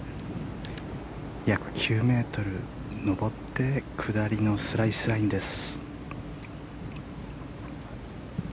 約９ｍ上って下りのスライスラインです。